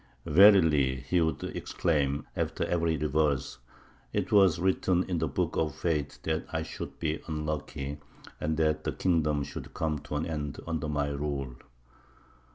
"Verily," he would exclaim, after every reverse, "it was written in the book of fate that I should be unlucky, and that the kingdom should come to an end under my rule!"